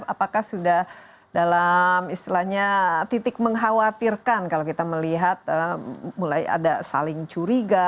apakah sudah dalam istilahnya titik mengkhawatirkan kalau kita melihat mulai ada saling curiga